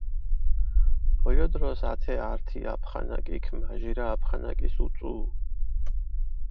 ბოლო დროს ათე ართი აფხანაკიქ მაჟირა აფხანაკის უწუუ.